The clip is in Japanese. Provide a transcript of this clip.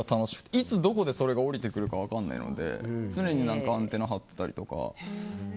いつどこでそれが降りてくるか分からないので常にアンテナを張ってたりとか